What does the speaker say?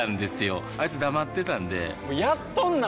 あいつ黙ってたんでやっとんなー！